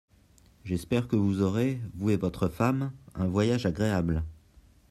J'espère que vous aurez, vous et votre femme, un voyage agréable.